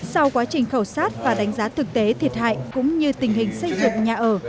sau quá trình khảo sát và đánh giá thực tế thiệt hại cũng như tình hình xây dựng nhà ở